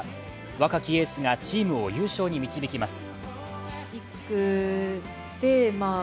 若きエースがチームを優勝に導きます。